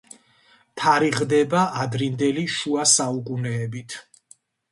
თარიღდება ადრინდელი შუა საუკუნეებით.